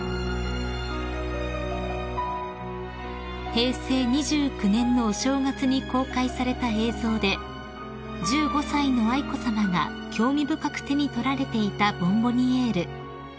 ［平成２９年のお正月に公開された映像で１５歳の愛子さまが興味深く手に取られていたボンボニエール］